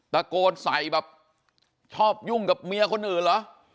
ตะโกนใส่แบบชอบยุ่งกับเมียคนอื่นเหรอ